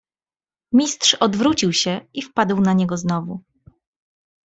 "Mistrz odwrócił się i wpadł na niego znowu."